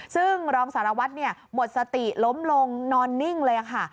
ซึ่งรองสารวัตรหมดสติล้มลงนอนนิ่งเลยค่ะ